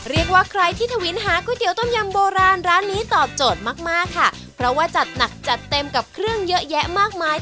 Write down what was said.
เรียกว่าใครที่ทวินหาก๋วต้มยำโบราณร้านนี้ตอบโจทย์มากมากค่ะเพราะว่าจัดหนักจัดเต็มกับเครื่องเยอะแยะมากมาย